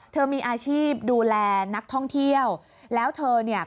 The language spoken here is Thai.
เธอมีอาชีพดูแลนักท่องเที่ยวแล้วเธอเนี่ย